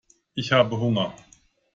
Ich habe Hunger.